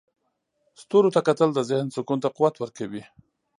د ستورو ته کتل د ذهن سکون ته قوت ورکوي.